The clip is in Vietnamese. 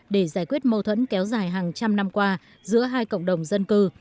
để giải quyết mâu thuẫn kéo dài hàng trăm năm qua giữa hai cộng đồng dân cư